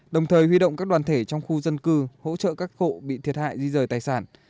đồng thời huy động các đoàn thể trong khu dân cư hỗ trợ các hộ bị thiệt hại di rời tài sản